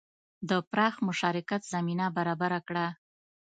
د پراخ مشارکت زمینه برابره کړه.